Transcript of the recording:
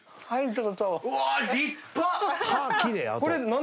はい。